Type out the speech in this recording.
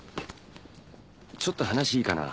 ちょっと話いいかな？